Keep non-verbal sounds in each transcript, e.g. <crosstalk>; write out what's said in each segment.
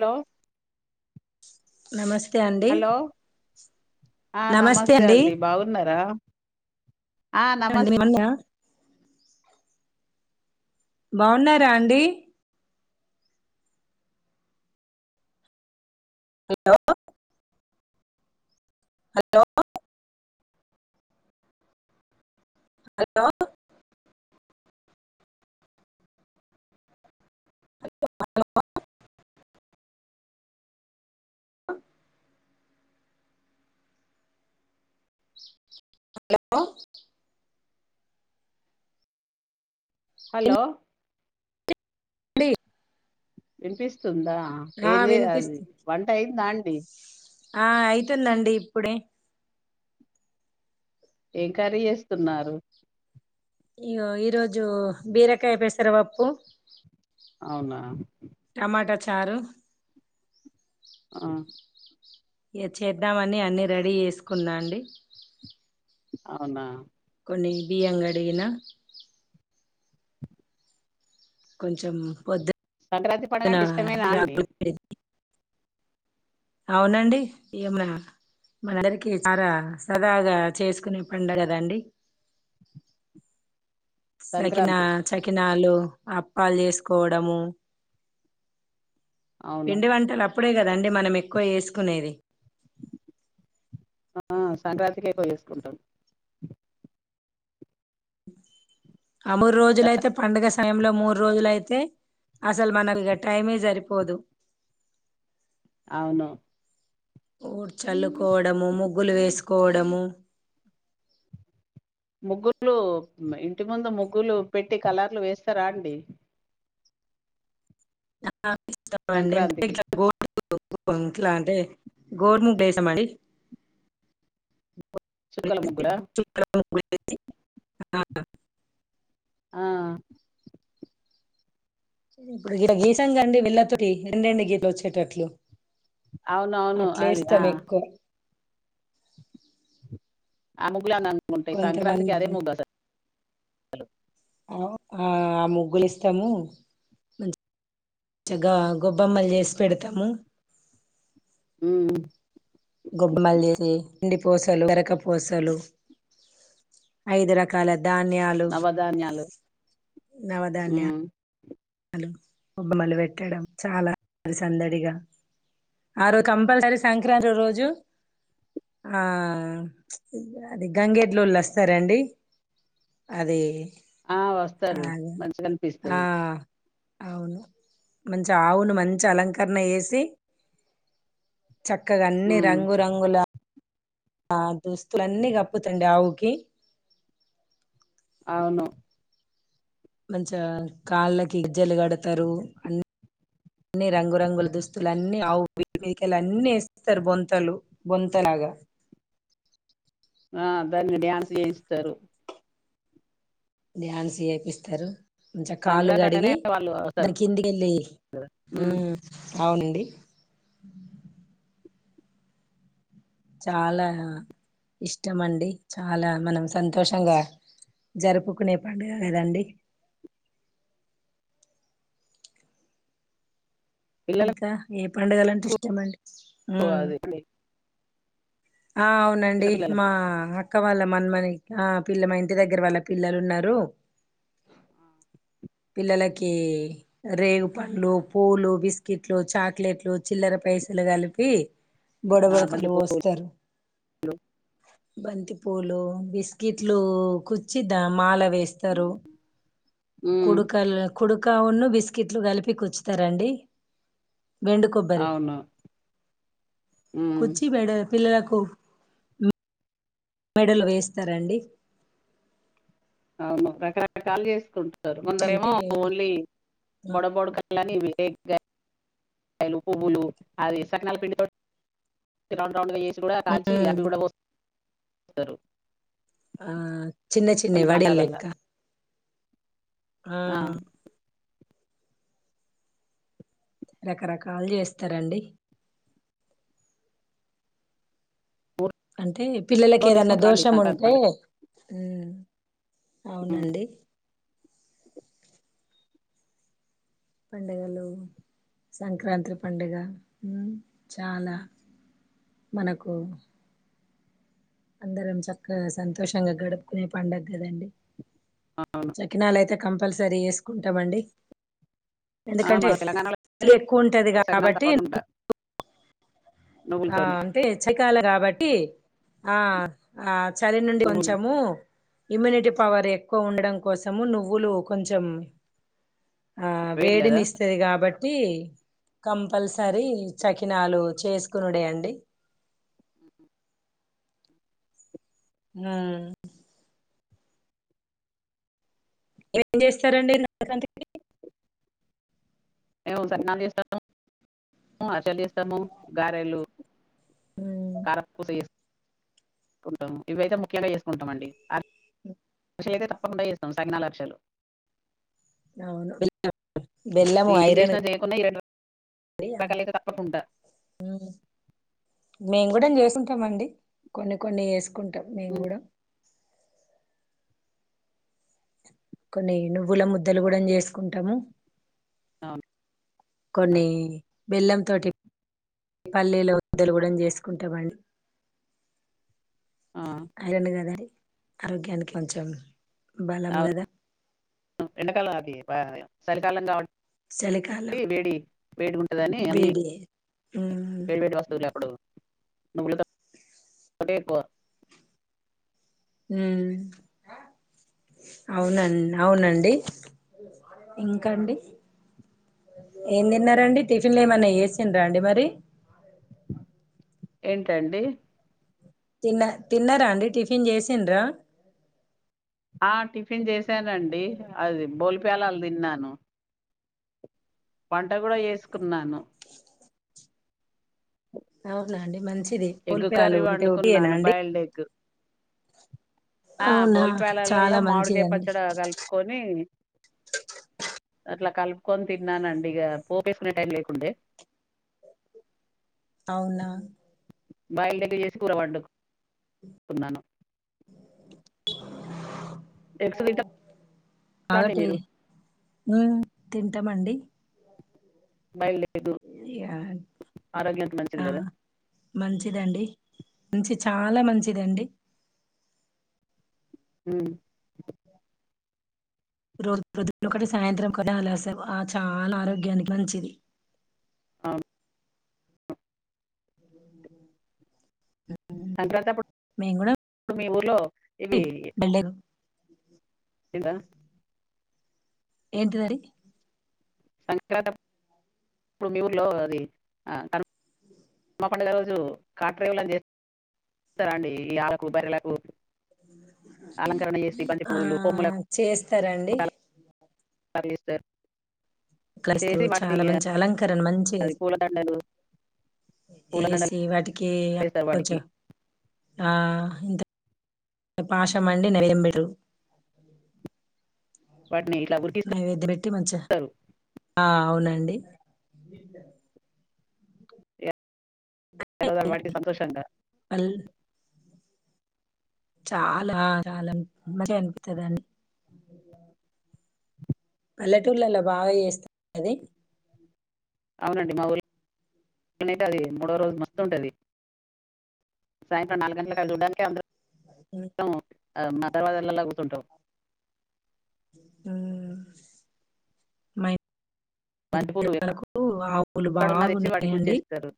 Hello నమస్తే అండి hello ఆ నమస్తే అండి బాగున్నారా ఆ అండి నమస్ <inaudible> బాగున్నారా అండి hello hello hello hello hello hello డి వినిపిస్తుందా ఏడి అది వినిపిస్తు వంట అయిందా అండి ఆ అయితుందండి ఇప్పుడే ఏంకర్రీ చేస్తున్నారు ఇయ్యో ఈరోజు బీరకాయ పెసర పప్పు అవునా టమాటా చారు ఆ చేద్దామని అన్నీ రెడీ చేసుకున్నా అండి అవునా కొన్ని బియ్యం కడిగిన కొంచెం పొద్ద సంక్రాంతి పండగంటే ఇష్టమేనా అండి పిండి. అవునండి ఏమనా మనందరికి చాలా సదాగా చేసుకునే పండగ గదా అండి సకినా సంక్రాంతి చకినాలు అప్పాలు చేసుకోవడము అవును పిండి వంటలు అప్పుడే కదా అండి మనం ఎక్కువ వేసుకునేది ఆ సంక్రాంతికే ఎక్కువ వేసుకుంటాం ఆమరు రోజుల స- అయితే పండగ అస్ సమయంలో మూడు రోజులు అయితే అసలు మనకి ఇగ టైమే జరిపోదు అవును ఊడ్చ చల్లుకోవడము ముగ్గులు వేసుకోవడము ముగ్గుర్లు ఇంటి ముందు ముగ్గులు పెట్టి కలర్లు వేస్తారా అండి. ఆ ఇస్తండి సంక్రాంతికి ఇంట <unintelligible> ఇంట్లా అంటే గోడుముగ్ వేసామండి చుక్కల ముగ్గులా చ ఆ ఇప్పుడు ఇడ గీసంగా అండి వెళ్ళతో రెండెండి గీతలు వచ్చేటట్లు అవునవును అట్లే అది ఆ ఏస్తాం ఎక్కువ ఆ ముగ్గులేఅందంగా ఉంటాయి కొంతమంది సంక్రాంతికి అదే ముగ్గు అసలు ఆ ఆ ముగ్గులు ఇస్తము చగా గొబ్బమ్మలు చేసి పెడతము ఉ ఉ గొబ్బమల్ చేసి పిండి పూసలు గరక పూసలు ఐదు రకాల ధాన్యల్ నవదాన్యాలు నవదాన్య లు గొబ్బమలు పెట్టడం చాలా సందడిగా ఆ రోజు కంపల్సరీ సంక్రాంతి రోజు ఆ అది గంగేడ్లోళ్ళు వస్తారండి అది ఆ అ వస్తారు మంచిగా ఆ అనిపిస్తది అవును మంచి ఆవును మంచి అలంకరణ ఏసి చక్కగ అన్ని ఉమ్ రంగు రంగుల ఆ దుస్తులన్నీ గప్పుతుండే ఆవుకి అవును మంచా కాళ్ళకి ఇజ్జలు గడతారు అన్ అన్ని రంగురంగుల్ దుస్తులు అన్ని ఆవు <inaudible> మీదికెల్ అన్ని ఏస్తరు బొంతలు బొంతలాగా ఆ దాన్ మీ డ్యాన్స్ ఏస్తరు డ్యాన్స్ ఏపిస్తరు ఉంచ కాల్లు సంక్రాంతి అంటేనే గడిగి వాళ్ళు వస్తారు దాన్ కింది గెళ్ళేస్ ఊ ఉమ్ అవునండి చాలా ఇష్టం అండి చాలా మనం సంతోషంగా జరుపుకునే పండుగ గదండి పిల్లలకు ఇంకా ఏ పండుగలు అంటే ఇష్టమండి ఓ ఉమ్ అదే అండి ఆ చిన్న అవునండి పిల్లలకు మా అ క్క వాళ్ళ మన్మని ఆ పిల్ల మా ఇంటి దగ్గర వాళ్ళ పిల్లలు ఉన్నరు ఆ పిల్లలకీ రేగు పండ్లు పూలు బిస్కిట్లు చాక్లెట్లు చిల్లర పైసలు గలిపి ఆ బంతి బొడబడకలు పూలు వోస్తారు బంతిపూలూ బిస్కిట్లూ కుచ్చి దా మాల వేస్ స్తరు ఉమ్ కుడుకల్ కుడుకా ఉన్ను బిస్కిట్లు గలిపి కూచ్చుతారండి బెండు కొబ్బరి అవును ఉమ్ కుచ్చి మెడ పిల్లలకు మెడలొ వేస్తారండి అవును రకరకాలు ఏసుకుంటరు అంటే కొందరేమో ఓన్లీ బొడ బొడ్కా లని <unintelligible> వేగ్గ ఐలు పువ్వులు అది సకినాల పిండితో రౌండ్ రౌండుగ ఏస్ గుడా ఆల్చీ అది గూడ వో స్తరు ఆ చిన్న చిన్న వడియాల్లెక్క ఆ రకరకాలు జేస్తరండి మూడు అంటే పిల్లలకి రోజులు ఏదన్న చేసుకుంటారండి దోషం సంక్రాంతి ఉంటే పండుగ ఉమ్ అవునండి పండుగలు సంక్రాంతి పండుగ చాలా మనకు అందరం చక్కగా సంతోషంగా గడుప్కునే పండగ్ గదండి అవును చకినాలు అయితే కంపల్సరీ ఏసుకుంటామండి ఆ ఎందుకంటే మన తెలంగాణలో చలి ఎక్కువ ఉంటది సకినాలు గాబట్టి తప్పకుండా ఆ నువ్వులతోని అంటే చలి కాలం కాబట్టి ఆ ఆ చలి నుండి నువ్వులు కొంచెమూ ఇమ్యూనిటీ పవర్ ఎక్కువ ఉండడం కోసము నువ్వులు కొంచెం ఆ వేడి కదా వేడినిస్తది కాబట్టి కంపల్సరీ చకినాలు చేస్ కునుడే అండి ఊ ఏం జేస్తారండి ఈన మేము శకినాల్ జేస్తాము అరిసెల్ ఏస్తాము గారెలు ఉమ్ కార ప్పుస ఏస్ కుంటాం ఇవయితే ముఖ్యంగా చేసుకుంటాం అండి అ అరిసెలు అయితే తప్పకుండా చేస్తాం సకినాలు అరిశెలు అవును బెల్లం బెల్లము ఇ ఏం ఐరన్ చేష్నా చేయకున్నా ఈ రెండ్ రో నకలయితే తప్పకుంటా ఉం మేమ్ గుడంగ్ చేసుంటామండి కొన్ని కొన్ని ఏసు కుంటాం మేమ్ ఉమ్, గుడా కొన్ని నువ్వుల ముద్దలు కూడన్ చేసుకుంటాము అవున్ కొన్ని బెల్లం తోటి పల్లీలు ద్దలు కూడన్ చేసుకుంటామండి అ ఐలేండ్ కదాయి ఆరోగ్యాని కొంచెం బలం గదా ఎండకాలం అది వ సలికాలం గావ చలికాలం టి వేడి వేడి ఉంటదని అన్నీ వేడి ఉమ్ వేడివస్థులపుడు నువ్వులతో అంటే ఎక్కువ ఊహ్మ్ అవునన్ అవునండి ఇంకండి ఏం తిన్నారండి టిఫిన్లేమన్నా ఏసిండ్రా అండి మరి ఏంటండి తిన్న తిన్నరా అండి టిఫిన్ చేసిన్రా ఆ టిఫిన్ చేసానండి అది బోల్ ప్యాలాల్ దిన్నాను వంట కూడా ఏస్కున్నాను అవునాండి మంచ్ ఎగ్ కర్రీ వండుకున్నాను బైల్డ్ ఎగ్ ఆ అవునా బోల్పాలల్ల చాలా మావిడికాయ్ మంచిదండి పచ్చడా గలుపుకొని అట్లా కలుపుకొని తిన్నానండి ఇగా పోపేసుకునే టైం లేకుండే అవునా బాయిల్డ్ ఎగ్ చేసి కూర వండు కున్నాను ఎగ్స్ తింటా అగటి ఉమ్మ్ తింటామండి బాయిల్డ్ ఎగు ఇది యాల్ ఆరోగ్యానిక్ మంచిది గదా మంచిదండి ఉంచి చాలా మంచిదండి ఉ రోజ్ ప్రొద్దున ఒకటి సాయంత్రం ఒకటి అలాశావు ఆ చా నారోగ్యానిక్ మంచిది అవ్ను ఏందే మేము కూడా సంక్రాంతప్పుడ్ మీ ఊర్లో ఇవి వెళ్ళాం ఇంద ఏంటిదది సంక్రాంతప్ ఇప్పుడు మీ ఊర్లో అది మా పండగ రోజు కార్ డ్రైవర్ లన్ చే స్తారండి ఈ ఆవులకు బర్రెలకు అలంకరణ చేసి బంతి ఆ పూలు కొమ్ములక్ కొట్టాలక్ సర్ చేస్ క్రైస్తవు వాటిని చాలా ఆ, మంచి అలంకరణ మంచి అది పూలదండలు పూలదండలు ఏసి వాటికి చేస్తారు వాటికి కొంచెం ఆ ఇంత పాషం అండి నయ్యం బెడు వాటిని ఇలా ఉ అ ఎద్దిపెట్టి మంచిగా అ అవునండి ఇ బ ఎదో వాడికి సంతోషంగా అల్ చాలా రాల మంచిగా అనిపితదండి పల్లెటూర్లలో బాగా చేస్తం ఇది అవునండి మా ఊర్లో అది మూడో రోజు మస్తు ఉంటుంది సాయంత్రం నాలుగు గంటలకు ఆళ్ళు చూడ్డానికి అందరం మా దర్వాజాలల్ల కూర్చుంటాం హుమ్ మై దీని బంతిపూలు పిల్లలకు ఆవులు ఎక్కడున్నా తెచ్చి వాటికి బాగున్నాయండి గుచ్చేస్తారు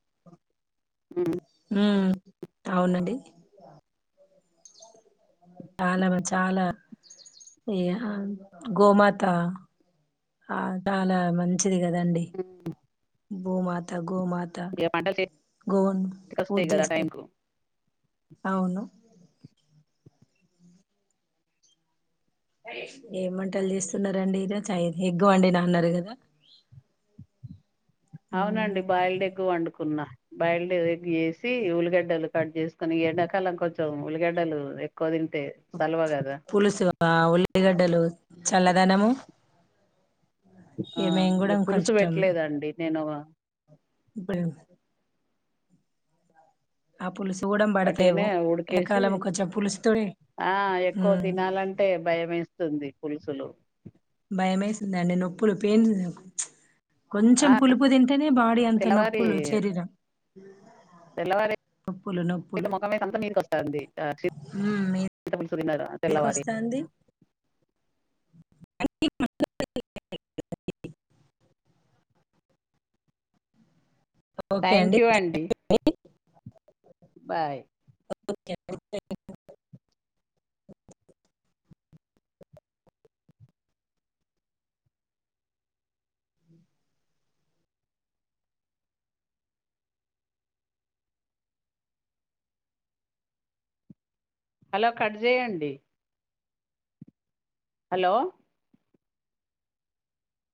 హు అవునండి చాల మన చానా ఏ గోమాత ఆడల మంచి మంచిది కదండి భూమాత గోమాత ఇక పంటలు గోవును పూజ చేతికొస్తాయి కదా చేస్తే టైం కు అవును ఏమ్ వంటలు చేస్తున్నరండి ఈరోజు చ ఎగ్ వండిన అన్నారు కదా మ్మ్. అవునండి బాయీల్డ్ ఎగ్ వండుకున్నా బాయిల్డ్ ఎగ్గూ వేసి ఉలిగడ్డలు కట్ చేసుకొని ఎండాకాలం కొంచెం ఉల్లిగడ్డలు ఎక్కువ తింటే సలవ కదా పులుసు ఉల్లిగడ్డలు చల్లదనము ఆ మేము కూడా ఇగ పులుసు కొంచెం పెట్టలేదండి నేను ఇప్పుడేంది ఆ పులుసు కూడం వట్టిగానే ఉడికేసి పులుసుతోనే ఆ ఎక్కువ తినాలంటే అంటే భయమేస్తుంది పులుసులు భయమేసిందండి నొప్పులు పెయిన్స్ నాకు కొంచెం ఆ పులుపు తింటేనే బాడీఅంత తెల్లవారి నొప్పులు శరీరం నొప్పులు ఐతే మొఖం అంతా మీదికి వస్తాంది మ్మ్. చింతపులుసు తిన్నరు మీదకి తెల్లవారి వస్తాంది థ్యాంక్యూ అండి బాయ్ ఓకే ే హలో కట్ చేయండి హలో